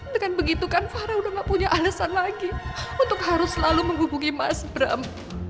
dengan begitu kan fahra udah gak punya alasan lagi untuk harus selalu menghubungi mas bram